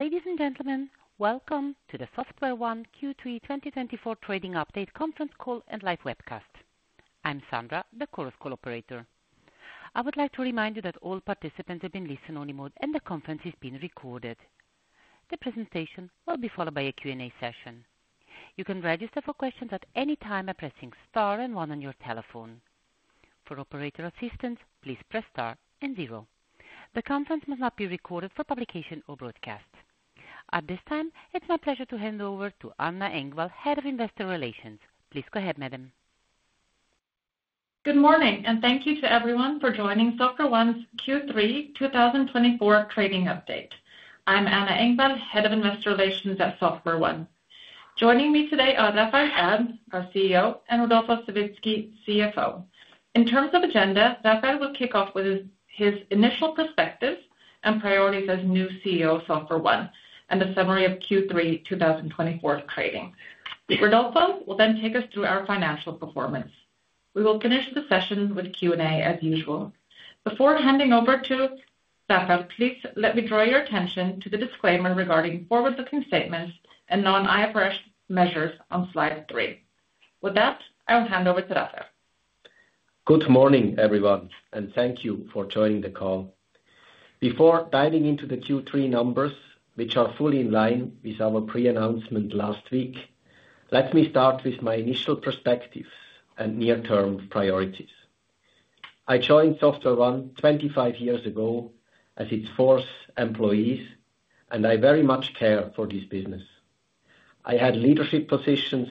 Ladies and gentlemen, welcome to the SoftwareOne Q3 2024 Trading Update Conference Call and Live Webcast. I'm Sandra, the call operator. I would like to remind you that all participants have been placed on listen-only mode, and the conference is being recorded. The presentation will be followed by a Q&A session. You can register for questions at any time by pressing Star and One on your telephone. For operator assistance, please press Star and Zero. The conference must not be recorded for publication or broadcast. At this time, it's my pleasure to hand over to Anna Engvall, Head of Investor Relations. Please go ahead, madam. Good morning, and thank you to everyone for joining SoftwareONE's Q3 2024 Trading Update. I'm Anna Engvall, Head of Investor Relations at SoftwareONE. Joining me today are Raphael Erb, our CEO, and Rodolfo Savitzky, CFO. In terms of agenda, Raphael will kick off with his initial perspectives and priorities as new CEO of SoftwareONE and a summary of Q3 2024 trading. Rodolfo will then take us through our financial performance. We will finish the session with Q&A as usual. Before handing over to Raphael, please let me draw your attention to the disclaimer regarding forward-looking statements and non-IFRS measures on slide three. With that, I will hand over to Raphael. Good morning, everyone, and thank you for joining the call. Before diving into the Q3 numbers, which are fully in line with our pre-announcement last week, let me start with my initial perspectives and near-term priorities. I joined SoftwareONE 25 years ago as its fourth employee, and I very much care for this business. I had leadership positions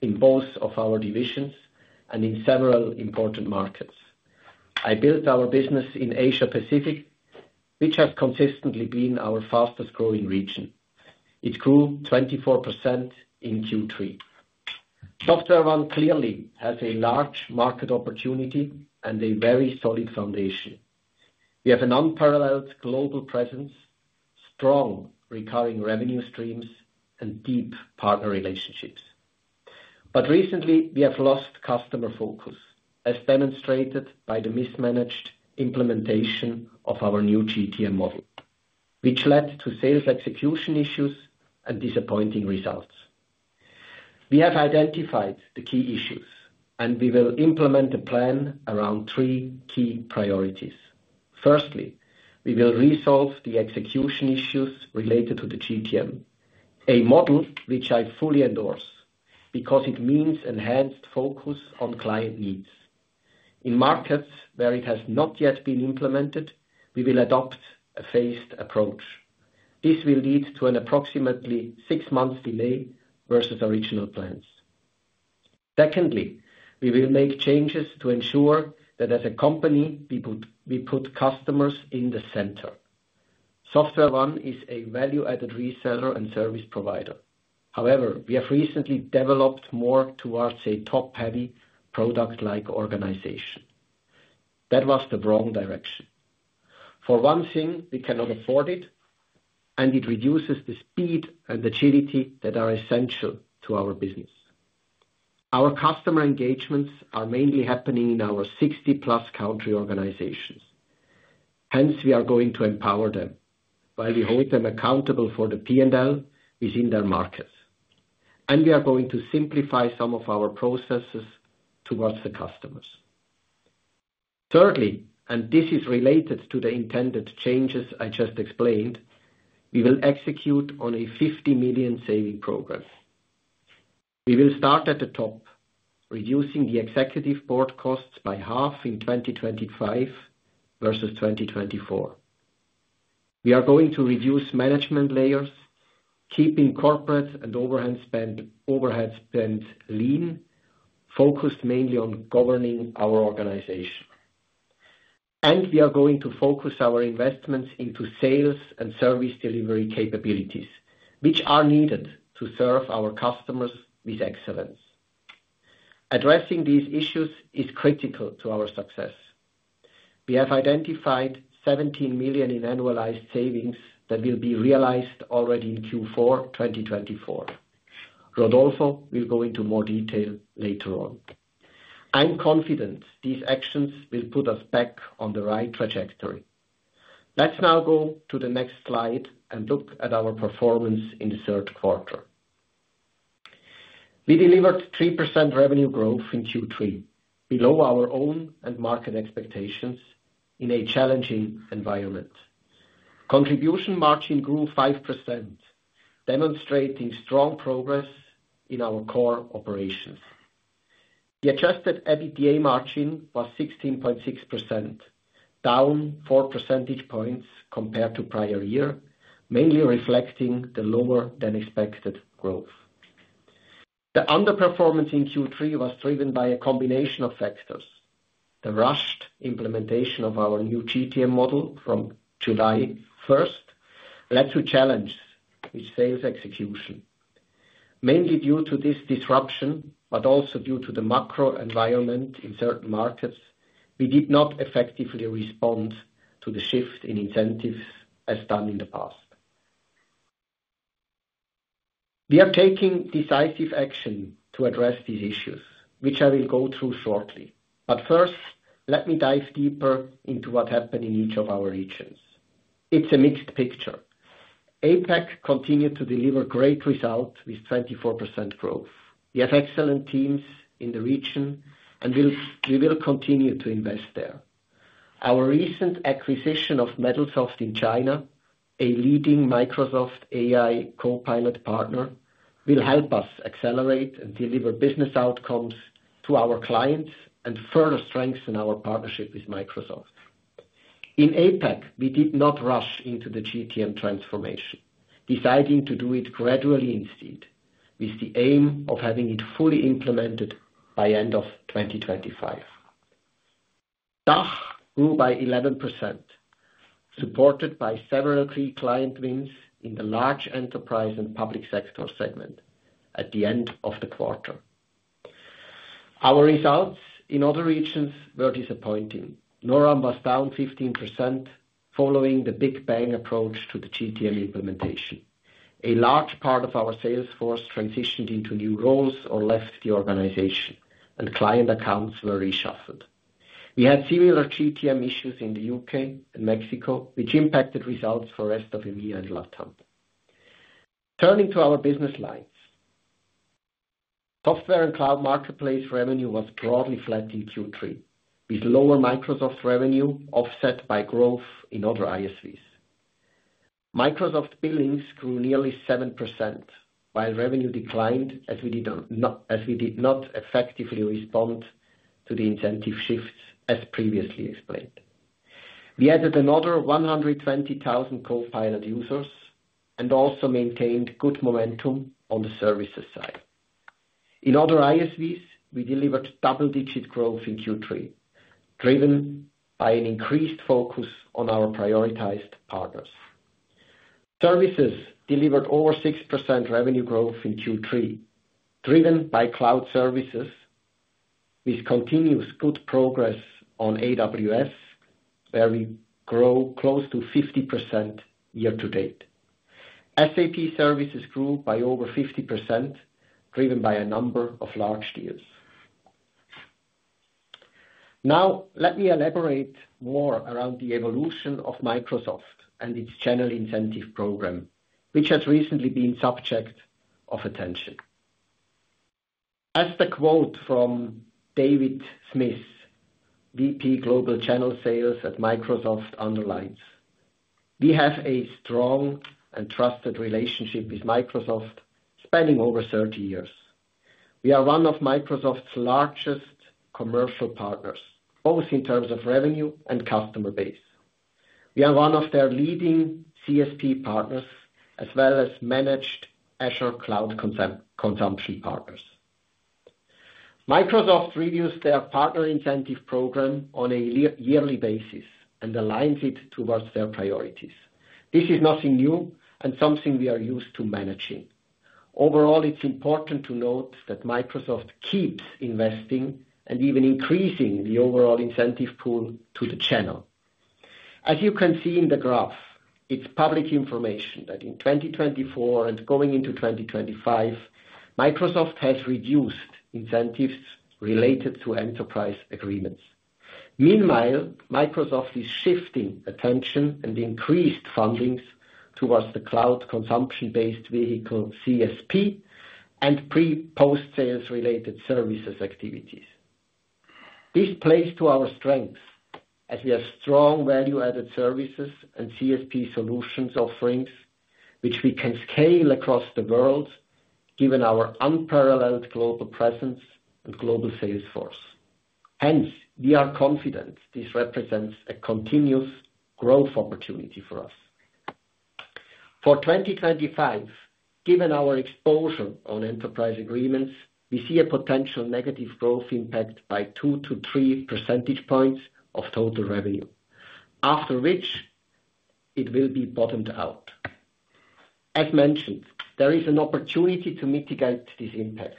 in both of our divisions and in several important markets. I built our business in Asia-Pacific, which has consistently been our fastest-growing region. It grew 24% in Q3. SoftwareONE clearly has a large market opportunity and a very solid foundation. We have an unparalleled global presence, strong recurring revenue streams, and deep partner relationships. But recently, we have lost customer focus, as demonstrated by the mismanaged implementation of our new GTM model, which led to sales execution issues and disappointing results. We have identified the key issues, and we will implement a plan around three key priorities. Firstly, we will resolve the execution issues related to the GTM, a model which I fully endorse because it means enhanced focus on client needs. In markets where it has not yet been implemented, we will adopt a phased approach. This will lead to an approximately six-month delay versus original plans. Secondly, we will make changes to ensure that as a company, we put customers in the center. SoftwareONE is a value-added reseller and service provider. However, we have recently developed more towards a top-heavy product-like organization. That was the wrong direction. For one thing, we cannot afford it, and it reduces the speed and agility that are essential to our business. Our customer engagements are mainly happening in our 60-plus country organizations. Hence, we are going to empower them while we hold them accountable for the P&L within their markets, and we are going to simplify some of our processes toward the customers. Thirdly, and this is related to the intended changes I just explained, we will execute on a 50 million savings program. We will start at the top, reducing the executive board costs by half in 2025 versus 2024. We are going to reduce management layers, keeping corporate and overhead spend lean, focused mainly on governing our organization, and we are going to focus our investments into sales and service delivery capabilities, which are needed to serve our customers with excellence. Addressing these issues is critical to our success. We have identified 17 million in annualized savings that will be realized already in Q4 2024. Rodolfo will go into more detail later on. I'm confident these actions will put us back on the right trajectory. Let's now go to the next slide and look at our performance in the third quarter. We delivered 3% revenue growth in Q3, below our own and market expectations in a challenging environment. Contribution margin grew 5%, demonstrating strong progress in our core operations. The Adjusted EBITDA margin was 16.6%, down 4 percentage points compared to prior year, mainly reflecting the lower-than-expected growth. The underperformance in Q3 was driven by a combination of factors. The rushed implementation of our new GTM model from July 1st led to challenges with sales execution. Mainly due to this disruption, but also due to the macro environment in certain markets, we did not effectively respond to the shift in incentives as done in the past. We are taking decisive action to address these issues, which I will go through shortly. But first, let me dive deeper into what happened in each of our regions. It's a mixed picture. APAC continued to deliver great results with 24% growth. We have excellent teams in the region, and we will continue to invest there. Our recent acquisition of Medalsoft in China, a leading Microsoft AI Copilot partner, will help us accelerate and deliver business outcomes to our clients and further strengthen our partnership with Microsoft. In APAC, we did not rush into the GTM transformation, deciding to do it gradually instead, with the aim of having it fully implemented by the end of 2025. DACH grew by 11%, supported by several key client wins in the large enterprise and public sector segment at the end of the quarter. Our results in other regions were disappointing. NORAM was down 15% following the Big Bang approach to the GTM implementation. A large part of our sales force transitioned into new roles or left the organization, and client accounts were reshuffled. We had similar GTM issues in the UK and Mexico, which impacted results for the rest of India and LatAm. Turning to our business lines, software and cloud marketplace revenue was broadly flat in Q3, with lower Microsoft revenue offset by growth in other ISVs. Microsoft billing grew nearly 7%, while revenue declined as we did not effectively respond to the incentive shifts as previously explained. We added another 120,000 Copilot users and also maintained good momentum on the services side. In other ISVs, we delivered double-digit growth in Q3, driven by an increased focus on our prioritized partners. Services delivered over 6% revenue growth in Q3, driven by cloud services, with continuous good progress on AWS, where we grew close to 50% year-to-date. SAP services grew by over 50%, driven by a number of large deals. Now, let me elaborate more around the evolution of Microsoft and its general incentive program, which has recently been the subject of attention. As the quote from David Smith, VP Global Channel Sales at Microsoft, underlines, "We have a strong and trusted relationship with Microsoft spanning over 30 years. We are one of Microsoft's largest commercial partners, both in terms of revenue and customer base. We are one of their leading CSP partners as well as managed Azure Cloud consumption partners." Microsoft reviews their partner incentive program on a yearly basis and aligns it towards their priorities. This is nothing new and something we are used to managing. Overall, it's important to note that Microsoft keeps investing and even increasing the overall incentive pool to the channel. As you can see in the graph, it's public information that in 2024 and going into 2025, Microsoft has reduced incentives related to enterprise agreements. Meanwhile, Microsoft is shifting attention and increased fundings towards the cloud consumption-based vehicle CSP and pre-post-sales-related services activities. This plays to our strengths as we have strong value-added services and CSP solutions offerings, which we can scale across the world given our unparalleled global presence and global sales force. Hence, we are confident this represents a continuous growth opportunity for us. For 2025, given our exposure on enterprise agreements, we see a potential negative growth impact by 2-3 percentage points of total revenue, after which it will be bottomed out. As mentioned, there is an opportunity to mitigate this impact,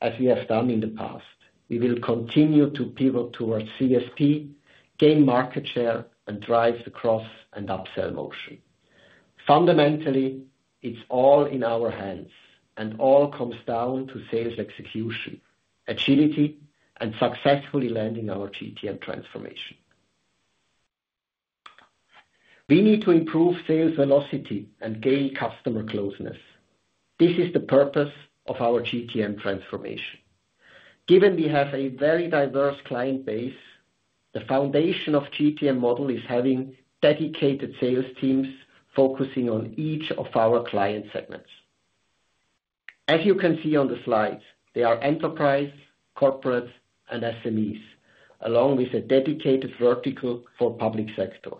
as we have done in the past. We will continue to pivot towards CSP, gain market share, and drive the cross and upsell motion. Fundamentally, it's all in our hands, and all comes down to sales execution, agility, and successfully landing our GTM transformation. We need to improve sales velocity and gain customer closeness. This is the purpose of our GTM transformation. Given we have a very diverse client base, the foundation of the GTM model is having dedicated sales teams focusing on each of our client segments. As you can see on the slide, there are enterprise, corporate, and SMEs, along with a dedicated vertical for public sector.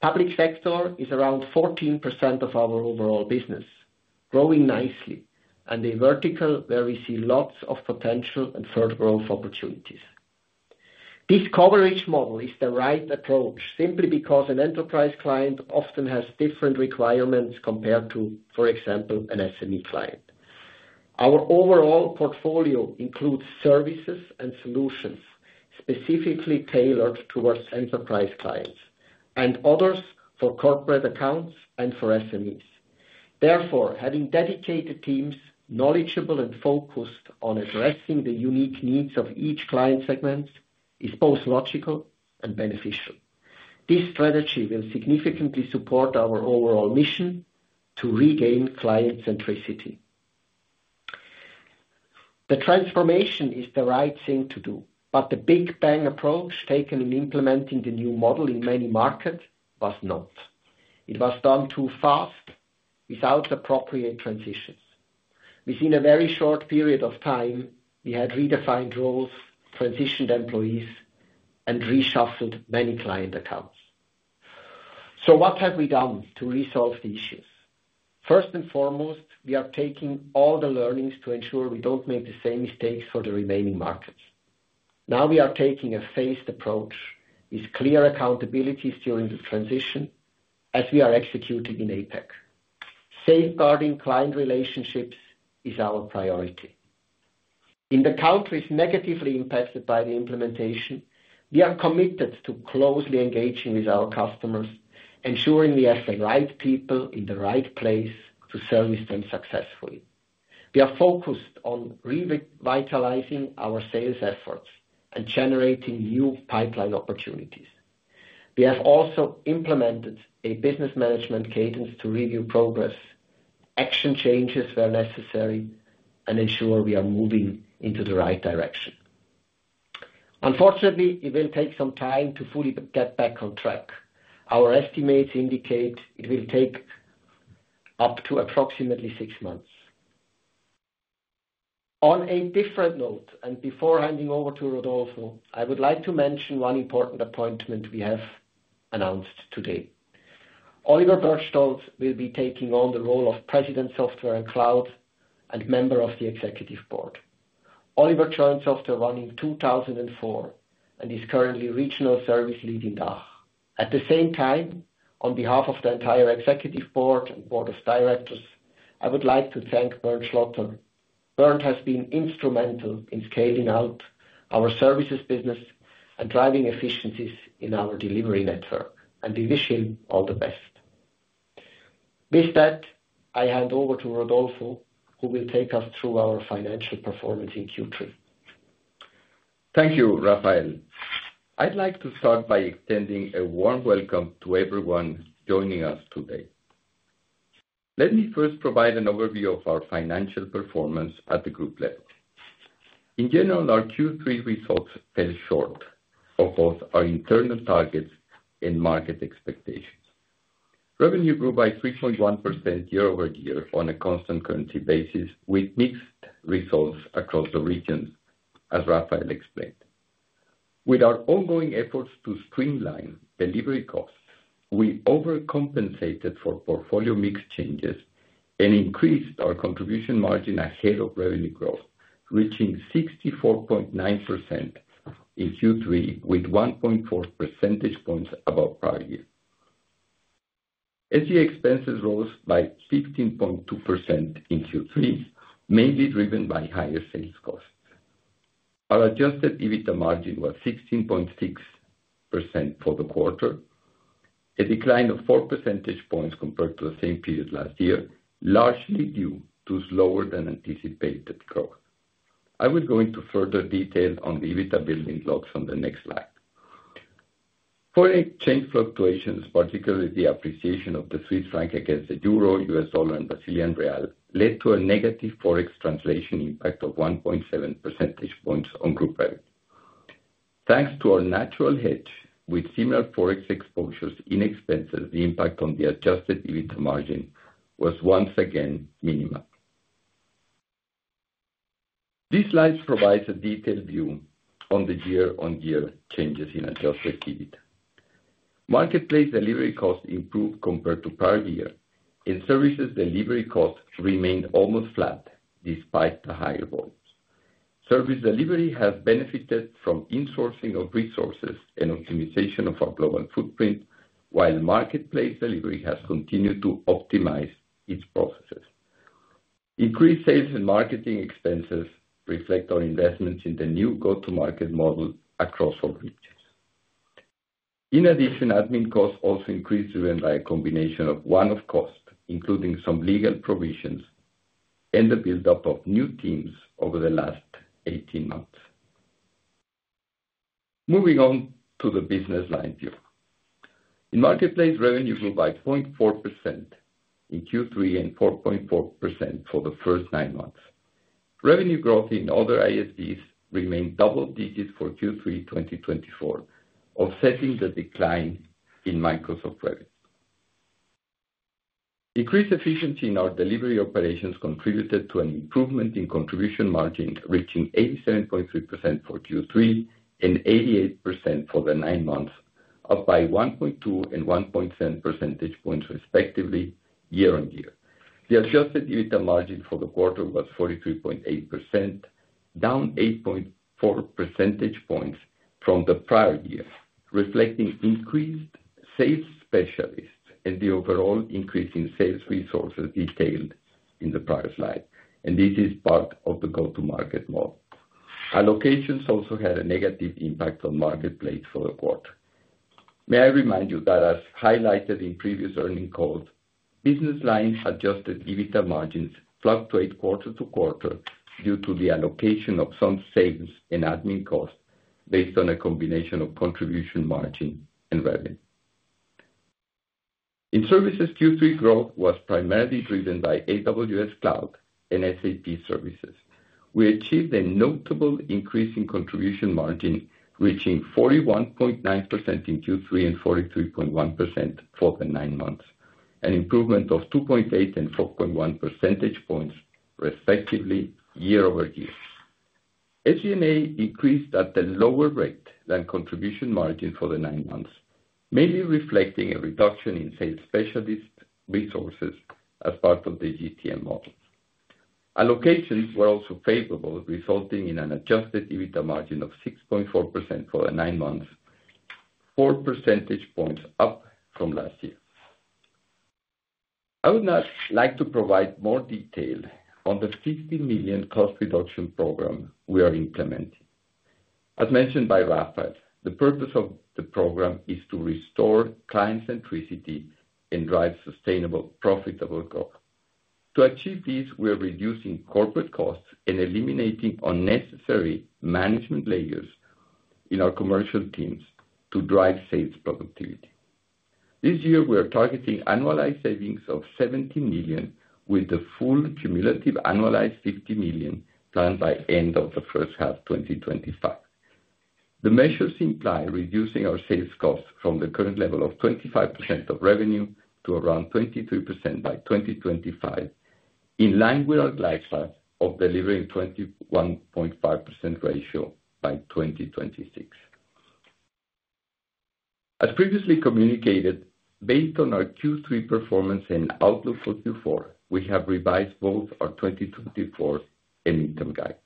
Public sector is around 14% of our overall business, growing nicely, and a vertical where we see lots of potential and further growth opportunities. This coverage model is the right approach simply because an enterprise client often has different requirements compared to, for example, an SME client. Our overall portfolio includes services and solutions specifically tailored towards enterprise clients and others for corporate accounts and for SMEs. Therefore, having dedicated teams knowledgeable and focused on addressing the unique needs of each client segment is both logical and beneficial. This strategy will significantly support our overall mission to regain client centricity. The transformation is the right thing to do, but the Big Bang approach taken in implementing the new model in many markets was not. It was done too fast without appropriate transitions. Within a very short period of time, we had redefined roles, transitioned employees, and reshuffled many client accounts. So what have we done to resolve the issues? First and foremost, we are taking all the learnings to ensure we don't make the same mistakes for the remaining markets. Now we are taking a phased approach with clear accountability during the transition as we are executing in APAC. Safeguarding client relationships is our priority. In the countries negatively impacted by the implementation, we are committed to closely engaging with our customers, ensuring we have the right people in the right place to service them successfully. We are focused on revitalizing our sales efforts and generating new pipeline opportunities. We have also implemented a business management cadence to review progress, action changes where necessary, and ensure we are moving into the right direction. Unfortunately, it will take some time to fully get back on track. Our estimates indicate it will take up to approximately six months. On a different note, and before handing over to Rodolfo, I would like to mention one important appointment we have announced today. Oliver Berchtold will be taking on the role of President Software and Cloud and member of the executive board. Oliver joined SoftwareONE in 2004 and is currently regional service lead in DACH. At the same time, on behalf of the entire executive board and board of directors, I would like to thank Bernd Schlotter. Bernd has been instrumental in scaling out our services business and driving efficiencies in our delivery network, and we wish him all the best. With that, I hand over to Rodolfo, who will take us through our financial performance in Q3. Thank you, Raphael. I'd like to start by extending a warm welcome to everyone joining us today. Let me first provide an overview of our financial performance at the group level. In general, our Q3 results fell short of both our internal targets and market expectations. Revenue grew by 3.1% year-over-year on a constant currency basis, with mixed results across the regions, as Raphael explained. With our ongoing efforts to streamline delivery costs, we overcompensated for portfolio mix changes and increased our contribution margin ahead of revenue growth, reaching 64.9% in Q3, with 1.4 percentage points above prior year. SG&A expenses rose by 15.2% in Q3, mainly driven by higher sales costs. Our adjusted EBITDA margin was 16.6% for the quarter, a decline of 4 percentage points compared to the same period last year, largely due to slower-than-anticipated growth. I will go into further detail on the EBITDA building blocks on the next slide. Forex exchange fluctuations, particularly the appreciation of the Swiss franc against the euro, U.S. dollar, and Brazilian real, led to a negative forex translation impact of 1.7 percentage points on group revenue. Thanks to our natural hedge with similar forex exposures in expenses, the impact on the adjusted EBITDA margin was once again minimal. These slides provide a detailed view on the year-on-year changes in adjusted EBITDA. Marketplace delivery costs improved compared to prior year, and services delivery costs remained almost flat despite the higher volumes. Service delivery has benefited from insourcing of resources and optimization of our global footprint, while marketplace delivery has continued to optimize its processes. Increased sales and marketing expenses reflect our investments in the new go-to-market model across all regions. In addition, admin costs also increased driven by a combination of one-off costs, including some legal provisions and the build-up of new teams over the last 18 months. Moving on to the business line view. In marketplace, revenue grew by 0.4% in Q3 and 4.4% for the first nine months. Revenue growth in other ISVs remained double-digit for Q3 2024, offsetting the decline in Microsoft revenue. Increased efficiency in our delivery operations contributed to an improvement in contribution margin, reaching 87.3% for Q3 and 88% for the nine months, up by 1.2 and 1.7 percentage points respectively year-on-year. The Adjusted EBITDA margin for the quarter was 43.8%, down 8.4 percentage points from the prior year, reflecting increased sales specialists and the overall increase in sales resources detailed in the prior slide, and this is part of the go-to-market model. Allocations also had a negative impact on Marketplace for the quarter. May I remind you that, as highlighted in previous earnings calls, business line Adjusted EBITDA margins fluctuate quarter to quarter due to the allocation of some sales and admin costs based on a combination of contribution margin and revenue. In services, Q3 growth was primarily driven by AWS Cloud and SAP services. We achieved a notable increase in contribution margin, reaching 41.9% in Q3 and 43.1% for the nine months, an improvement of 2.8 and 4.1 percentage points respectively year-over-year. SG&A increased at a lower rate than contribution margin for the nine months, mainly reflecting a reduction in sales specialist resources as part of the GTM model. Allocations were also favorable, resulting in an adjusted EBITDA margin of 6.4% for the nine months, 4 percentage points up from last year. I would now like to provide more detail on the 50 million cost reduction program we are implementing. As mentioned by Raphael, the purpose of the program is to restore client centricity and drive sustainable, profitable growth. To achieve this, we are reducing corporate costs and eliminating unnecessary management layers in our commercial teams to drive sales productivity. This year, we are targeting annualized savings of 17 million, with the full cumulative annualized 50 million planned by the end of the first half of 2025. The measures imply reducing our sales costs from the current level of 25% of revenue to around 23% by 2025, in line with our lifetime of delivering a 21.5% ratio by 2026. As previously communicated, based on our Q3 performance and outlook for Q4, we have revised both our 2024 and interim guidance.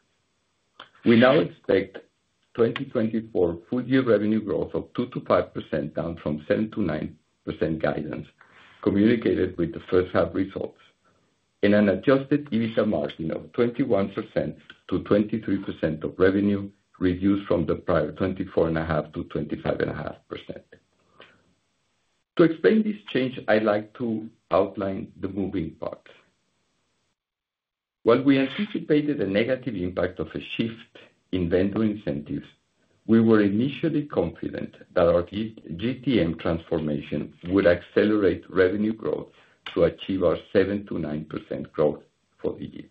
We now expect 2024 full-year revenue growth of 2%-5%, down from 7%-9% guidance communicated with the first-half results, and an adjusted EBITDA margin of 21%-23% of revenue, reduced from the prior 24.5%-25.5%. To explain this change, I'd like to outline the moving parts. While we anticipated a negative impact of a shift in vendor incentives, we were initially confident that our GTM transformation would accelerate revenue growth to achieve our 7%-9% growth for the year.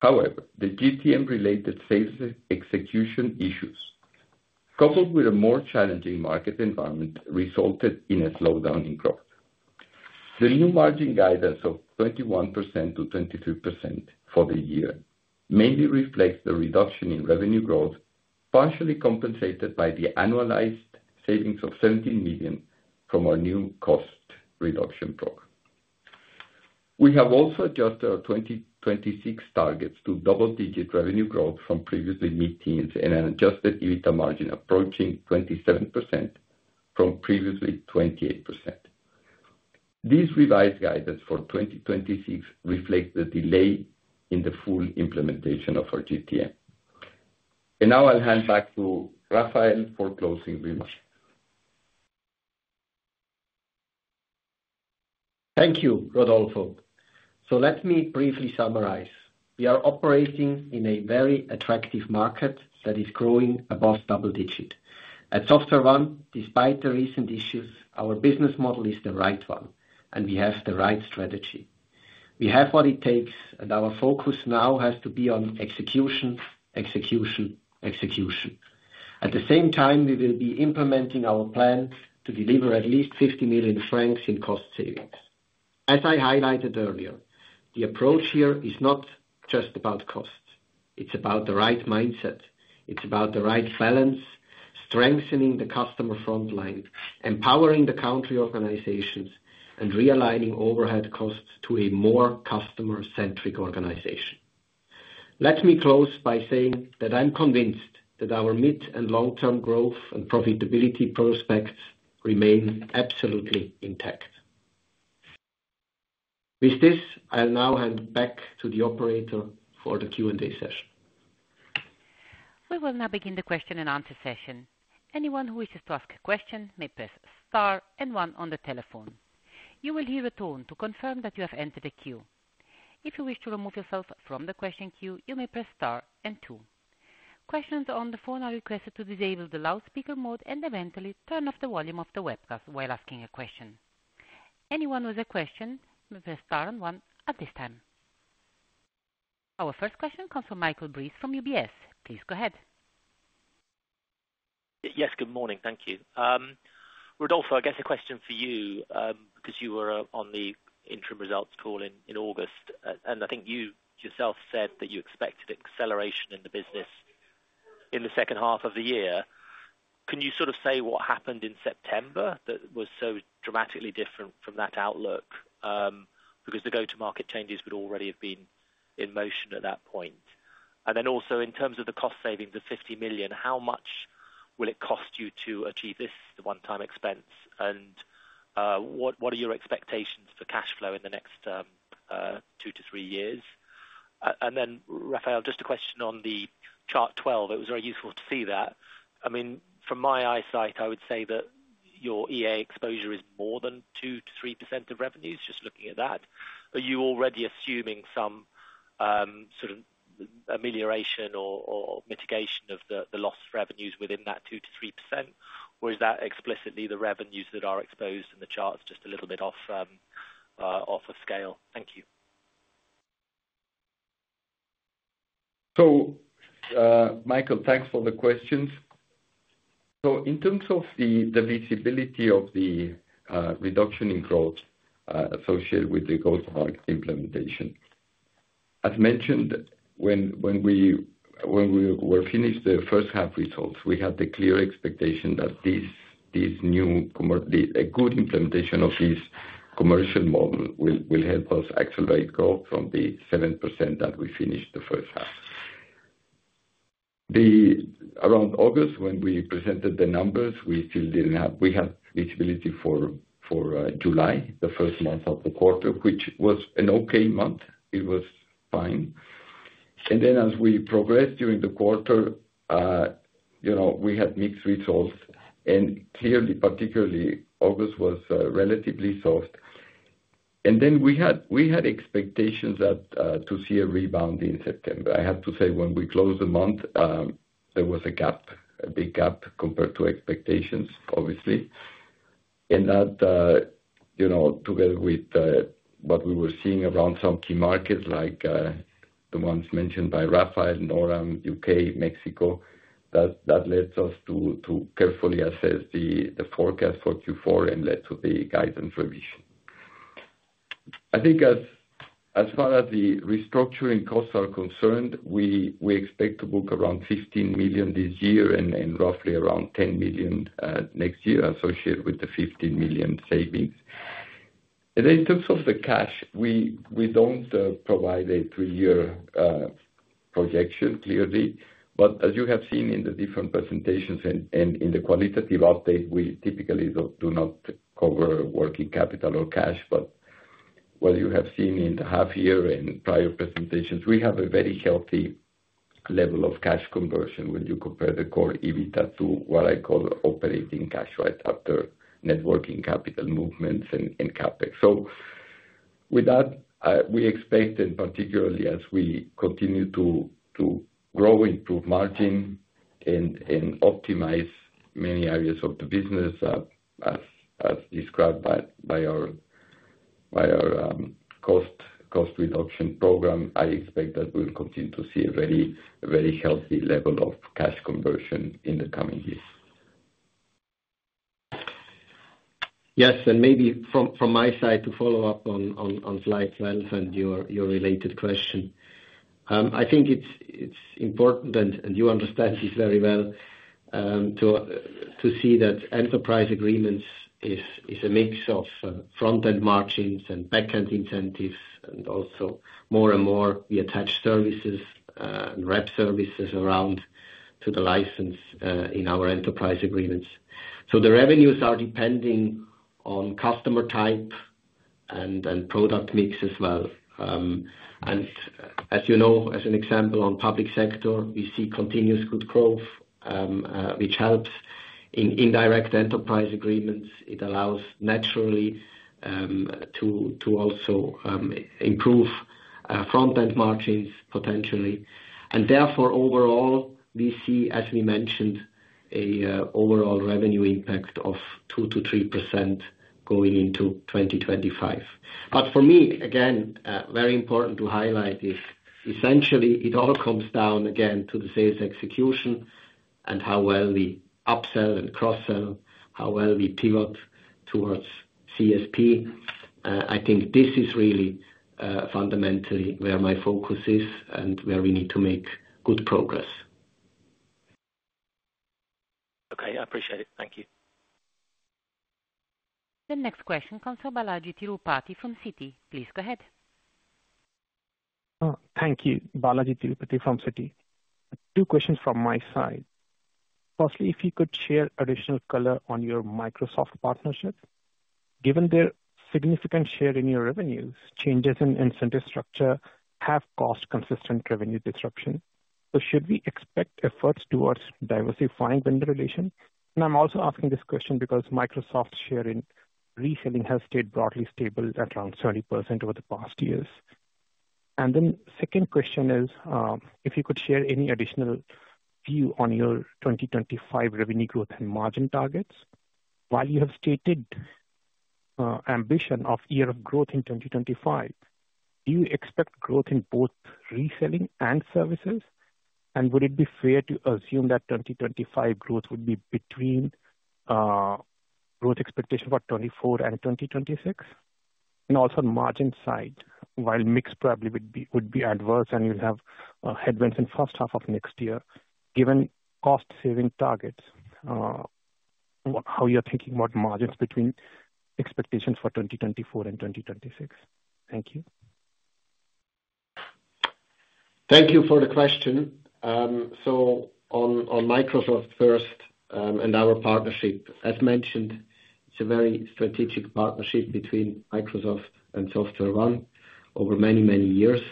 However, the GTM-related sales execution issues, coupled with a more challenging market environment, resulted in a slowdown in growth. The new margin guidance of 21%-23% for the year mainly reflects the reduction in revenue growth, partially compensated by the annualized savings of 17 million from our new cost reduction program. We have also adjusted our 2026 targets to double-digit revenue growth from previous meetings and an adjusted EBITDA margin approaching 27% from previous 28%. These revised guidance for 2026 reflect the delay in the full implementation of our GTM, and now I'll hand back to Raphael for closing remarks. Thank you, Rodolfo, so let me briefly summarize. We are operating in a very attractive market that is growing above double-digit. At SoftwareONE, despite the recent issues, our business model is the right one, and we have the right strategy. We have what it takes, and our focus now has to be on execution, execution, execution. At the same time, we will be implementing our plan to deliver at least 50 million francs in cost savings. As I highlighted earlier, the approach here is not just about cost. It's about the right mindset. It's about the right balance, strengthening the customer frontline, empowering the country organizations, and realigning overhead costs to a more customer-centric organization. Let me close by saying that I'm convinced that our mid- and long-term growth and profitability prospects remain absolutely intact. With this, I'll now hand back to the operator for the Q&A session. We will now begin the question and answer session. Anyone who wishes to ask a question may press Star and 1 on the telephone. You will hear a tone to confirm that you have entered a queue. If you wish to remove yourself from the question queue, you may press Star and 2. Questions on the phone are requested to disable the loudspeaker mode and eventually turn off the volume of the webcast while asking a question. Anyone with a question may press Star and 1 at this time. Our first question comes from Michael Briest from UBS. Please go ahead. Yes, good morning. Thank you. Rodolfo, I guess a question for you because you were on the interim results call in August, and I think you yourself said that you expected acceleration in the business in the second half of the year. Can you sort of say what happened in September that was so dramatically different from that outlook? Because the go-to-market changes would already have been in motion at that point. And then also, in terms of the cost savings, the 50 million, how much will it cost you to achieve this one-time expense? And what are your expectations for cash flow in the next two to three years? And then, Raphael, just a question on the chart 12. It was very useful to see that. I mean, from my eyesight, I would say that your EA exposure is more than 2%-3% of revenues, just looking at that. Are you already assuming some sort of amelioration or mitigation of the loss of revenues within that 2%-3%? Or is that explicitly the revenues that are exposed in the charts just a little bit off of scale? Thank you. So, Michael, thanks for the questions. So in terms of the visibility of the reduction in growth associated with the go-to-market implementation, as mentioned, when we were finished the first-half results, we had the clear expectation that a good implementation of this commercial model will help us accelerate growth from the 7% that we finished the first half. Around August, when we presented the numbers, we still didn't have visibility for July, the first month of the quarter, which was an okay month. It was fine. And then, as we progressed during the quarter, we had mixed results. And clearly, particularly, August was relatively soft. And then we had expectations to see a rebound in September. I have to say, when we closed the month, there was a gap, a big gap compared to expectations, obviously. That, together with what we were seeing around some key markets like the ones mentioned by Raphael, NORAM, UK, Mexico, led us to carefully assess the forecast for Q4 and led to the guidance revision. I think, as far as the restructuring costs are concerned, we expect to book around 15 million this year and roughly around 10 million next year associated with the 15 million savings. Then, in terms of the cash, we don't provide a three-year projection, clearly. As you have seen in the different presentations and in the qualitative update, we typically do not cover working capital or cash. What you have seen in the half-year and prior presentations shows we have a very healthy level of cash conversion when you compare the core EBITDA to what I call operating cash, right, after net working capital movements and CapEx. So with that, we expect, and particularly as we continue to grow, improve margin, and optimize many areas of the business, as described by our cost reduction program, I expect that we'll continue to see a very healthy level of cash conversion in the coming years. Yes. And maybe from my side, to follow up on slide 12 and your related question, I think it's important, and you understand this very well, to see that enterprise agreements is a mix of front-end margins and back-end incentives, and also more and more, we attach services and rep services around to the license in our enterprise agreements. So the revenues are depending on customer type and product mix as well. And as you know, as an example, on public sector, we see continuous good growth, which helps in indirect enterprise agreements. It allows naturally to also improve front-end margins potentially. And therefore, overall, we see, as we mentioned, an overall revenue impact of 2%-3% going into 2025. But for me, again, very important to highlight is, essentially, it all comes down, again, to the sales execution and how well we upsell and cross-sell, how well we pivot towards CSP. I think this is really fundamentally where my focus is and where we need to make good progress. Okay. I appreciate it. Thank you. The next question comes from Balajee Tirupati from Citi. Please go ahead. Thank you, Balajee Tirupati from Citi. Two questions from my side. Firstly, if you could share additional color on your Microsoft partnership. Given their significant share in your revenues, changes in incentive structure have caused consistent revenue disruption. So should we expect efforts towards diversifying vendor relation? I'm also asking this question because Microsoft's share in reselling has stayed broadly stable at around 30% over the past years. And then the second question is, if you could share any additional view on your 2025 revenue growth and margin targets? While you have stated ambition of year of growth in 2025, do you expect growth in both reselling and services? And would it be fair to assume that 2025 growth would be between growth expectation for 2024 and 2026? And also on margin side, while mixed probably would be adverse and you'll have headwinds in the first half of next year, given cost-saving targets, how you're thinking about margins between expectations for 2024 and 2026? Thank you. Thank you for the question. On Microsoft first and our partnership, as mentioned, it's a very strategic partnership between Microsoft and SoftwareONE over many, many years.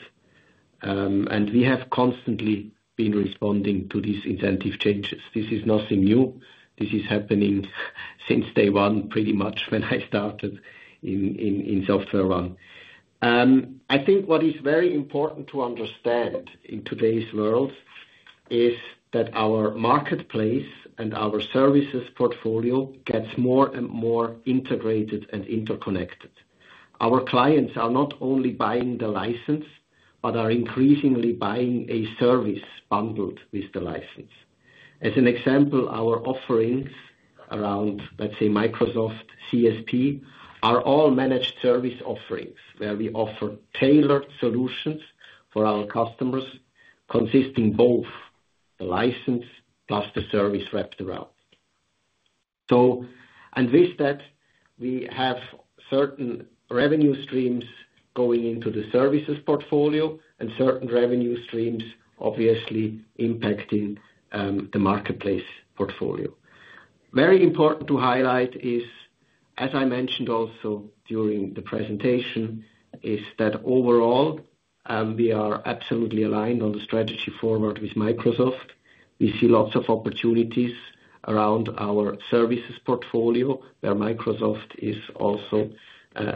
We have constantly been responding to these incentive changes. This is nothing new. This is happening since day one, pretty much, when I started in SoftwareONE. I think what is very important to understand in today's world is that our marketplace and our services portfolio gets more and more integrated and interconnected. Our clients are not only buying the license, but are increasingly buying a service bundled with the license. As an example, our offerings around, let's say, Microsoft CSP are all managed service offerings where we offer tailored solutions for our customers consisting of both the license plus the service wrapped around. And with that, we have certain revenue streams going into the services portfolio and certain revenue streams, obviously, impacting the marketplace portfolio. Very important to highlight is, as I mentioned also during the presentation, is that overall, we are absolutely aligned on the strategy forward with Microsoft. We see lots of opportunities around our services portfolio where Microsoft is also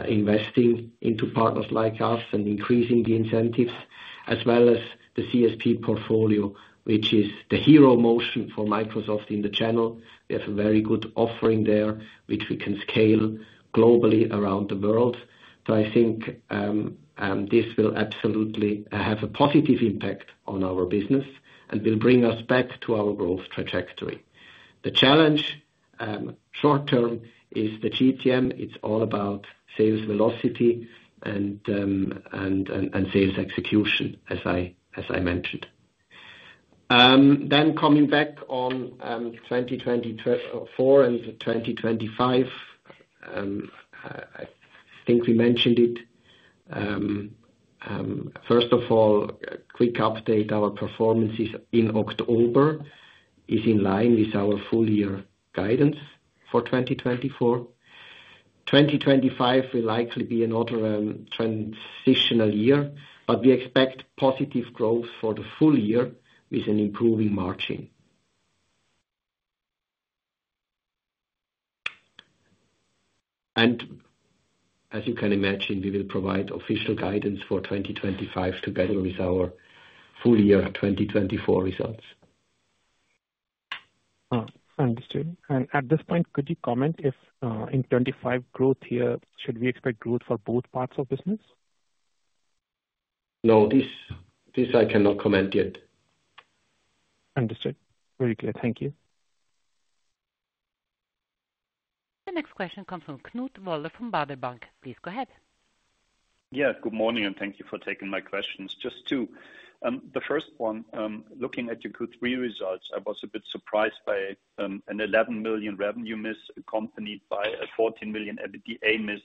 investing into partners like us and increasing the incentives, as well as the CSP portfolio, which is the hero motion for Microsoft in the channel. We have a very good offering there, which we can scale globally around the world. So I think this will absolutely have a positive impact on our business and will bring us back to our growth trajectory. The challenge short-term is the GTM. It's all about sales velocity and sales execution, as I mentioned. Then coming back on 2024 and 2025, I think we mentioned it. First of all, a quick update. Our performances in October are in line with our full-year guidance for 2024. 2025 will likely be another transitional year, but we expect positive growth for the full year with an improving margin. And as you can imagine, we will provide official guidance for 2025 together with our full-year 2024 results. Understood. And at this point, could you comment if in 2025 growth year, should we expect growth for both parts of business? No, this I cannot comment yet. Understood. Very clear. Thank you. The next question comes from Knut Woller from Baader Bank. Please go ahead. Yes, good morning, and thank you for taking my questions. Just two. The first one, looking at your Q3 results, I was a bit surprised by a 11 million revenue miss accompanied by a 14 million EBITDA miss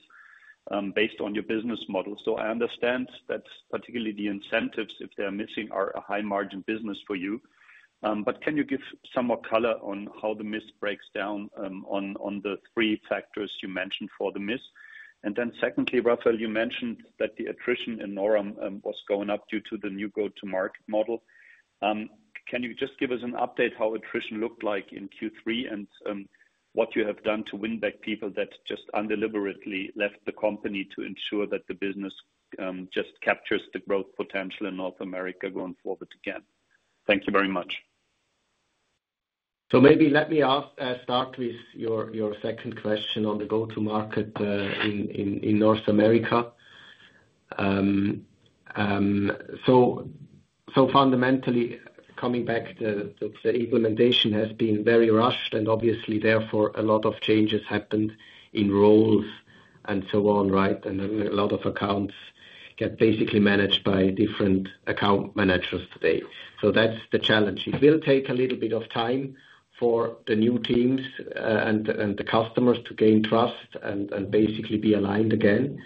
based on your business model. So I understand that particularly the incentives, if they're missing, are a high-margin business for you. But can you give some more color on how the miss breaks down on the three factors you mentioned for the miss? And then secondly, Raphael, you mentioned that the attrition in NORAM was going up due to the new go-to-market model. Can you just give us an update on how attrition looked like in Q3 and what you have done to win back people that just involuntarily left the company to ensure that the business just captures the growth potential in North America going forward again? Thank you very much. So maybe let me start with your second question on the go-to-market in North America. So fundamentally, coming back, the implementation has been very rushed, and obviously, therefore, a lot of changes happened in roles and so on, right? And a lot of accounts get basically managed by different account managers today. So that's the challenge. It will take a little bit of time for the new teams and the customers to gain trust and basically be aligned again,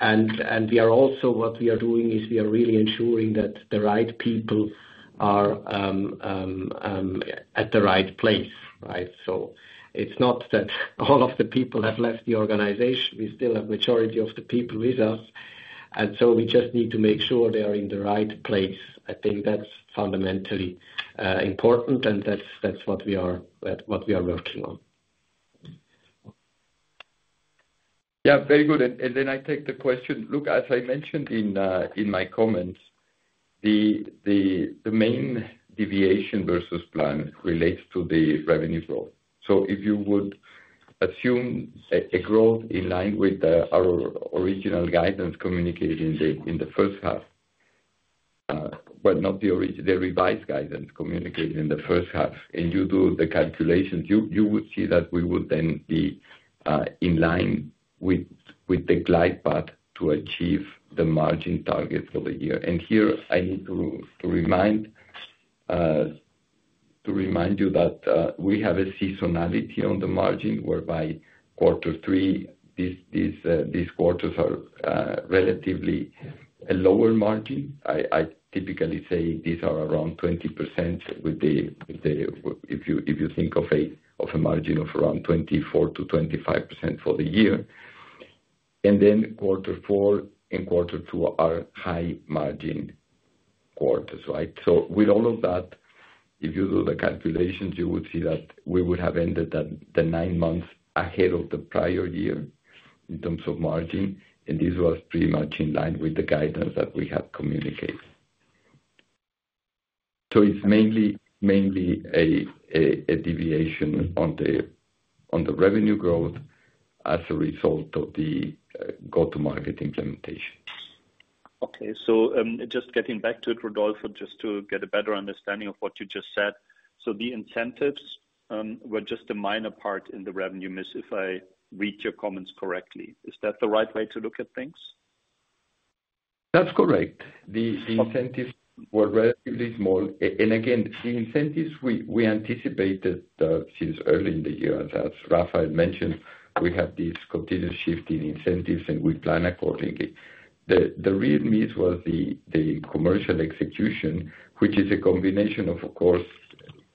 and we are also what we are doing is we are really ensuring that the right people are at the right place, right? So it's not that all of the people have left the organization. We still have a majority of the people with us, and so we just need to make sure they are in the right place. I think that's fundamentally important, and that's what we are working on. Yeah, very good, and then I take the question. Look, as I mentioned in my comments, the main deviation versus plan relates to the revenue growth. So if you would assume a growth in line with our original guidance communicated in the first half, but not the revised guidance communicated in the first half, and you do the calculations, you would see that we would then be in line with the glide path to achieve the margin targets for the year. And here, I need to remind you that we have a seasonality on the margin whereby quarter three, these quarters are relatively a lower margin. I typically say these are around 20% if you think of a margin of around 24%-25% for the year. And then quarter four and quarter two are high-margin quarters, right? So with all of that, if you do the calculations, you would see that we would have ended the nine months ahead of the prior year in terms of margin. This was pretty much in line with the guidance that we have communicated. So it's mainly a deviation on the revenue growth as a result of the go-to-market implementation. Okay. So just getting back to it, Rodolfo, just to get a better understanding of what you just said. So the incentives were just a minor part in the revenue miss if I read your comments correctly. Is that the right way to look at things? That's correct. The incentives were relatively small. And again, the incentives, we anticipated since early in the year. As Raphael mentioned, we have this continuous shift in incentives, and we plan accordingly. The real miss was the commercial execution, which is a combination of, of course,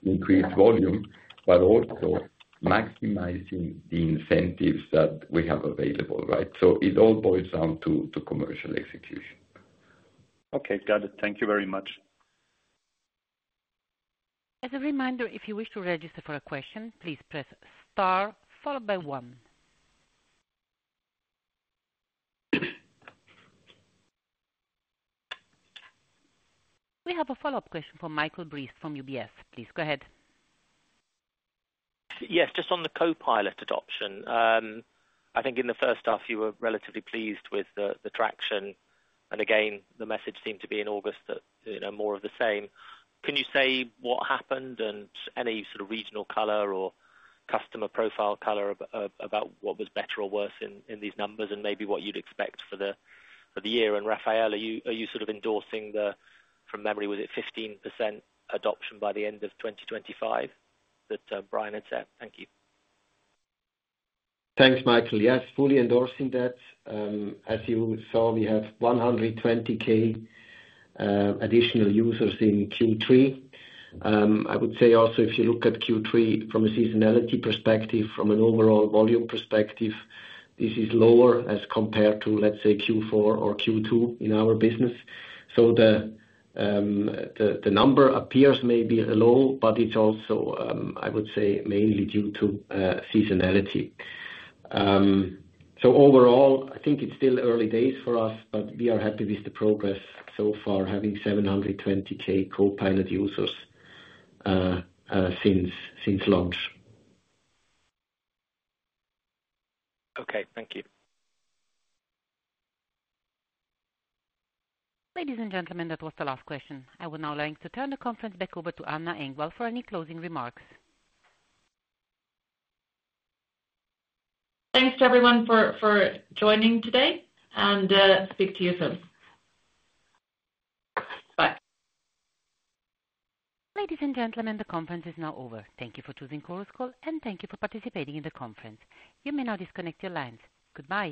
increased volume, but also maximizing the incentives that we have available, right? So it all boils down to commercial execution. Okay. Got it. Thank you very much. As a reminder, if you wish to register for a question, please press star followed by one. We have a follow-up question from Michael Briest from UBS. Please go ahead. Yes, just on the Copilot adoption. I think in the first half, you were relatively pleased with the traction. And again, the message seemed to be in August that more of the same. Can you say what happened and any sort of regional color or customer profile color about what was better or worse in these numbers and maybe what you'd expect for the year? And Raphael, are you sort of endorsing the, from memory, was it 15% adoption by the end of 2025 that Brian had said? Thank you. Thanks, Michael. Yes, fully endorsing that. As you saw, we have 120K additional users in Q3. I would say also, if you look at Q3 from a seasonality perspective, from an overall volume perspective, this is lower as compared to, let's say, Q4 or Q2 in our business. So the number appears maybe low, but it's also, I would say, mainly due to seasonality. So overall, I think it's still early days for us, but we are happy with the progress so far, having 720K Copilot users since launch. Okay. Thank you. Ladies and gentlemen, that was the last question. I will now like to turn the conference back over to Anna Engvall for any closing remarks. Thanks to everyone for joining today, and speak to you soon. Bye. Ladies and gentlemen, the conference is now over. Thank you for choosing Chorus Call, and thank you for participating in the conference. You may now disconnect your lines. Goodbye.